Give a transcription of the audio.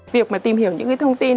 việc mà tìm hiểu những thông tin